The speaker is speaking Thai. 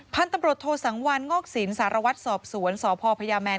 พันธุ์ตำรวจโทสังวันงอกสินสารวัตรสอบสวนสพพญาแมน